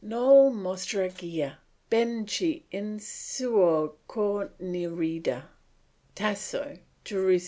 "No'l mostra gia, ben che in suo cor ne rida." Tasso, Jerus.